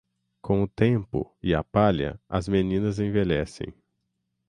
Com o tempo e a palha, as meninas envelhecem.